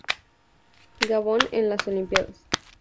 Gabón en las Olimpíadas